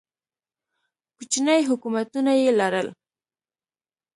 کوچني حکومتونه یې لرل.